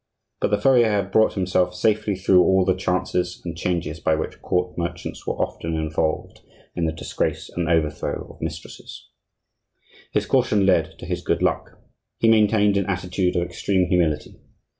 But the furrier had brought himself safely through all the chances and changes by which court merchants were often involved in the disgrace and overthrow of mistresses. His caution led to his good luck. He maintained an attitude of extreme humility.